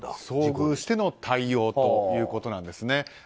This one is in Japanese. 遭遇しての対応ということなんですね。